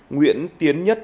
nguyễn tiến nhất